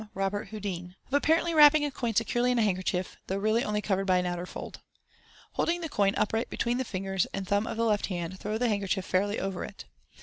Robert Houdin) of apparently wiapping a coin securely in a handkerchief, though really only covered by an outer fold. Holding the coin upright between the fingers and thumb of the left hand, thtow the handkerchief fairly over it.